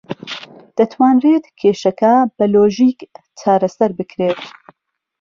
دەتوانرێت کێشەکە بە لۆژیک چارەسەر بکرێت.